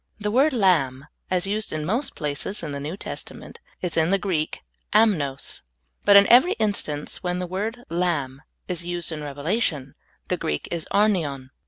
The word lamb, as used in most places in the New Testament, is in the Greek — am7ios ; but in every instance when the word lamb is used in Rev elation, the Greek is arnion.